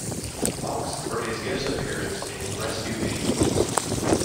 Fox for his guest appearance in "Rescue Me".